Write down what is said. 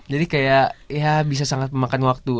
jadi kayak ya bisa sangat memakan waktu